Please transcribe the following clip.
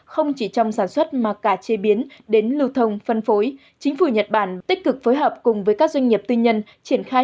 không chỉ trong sản xuất mà cả chế biến đến lưu thông phân phối